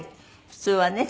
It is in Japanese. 普通はね。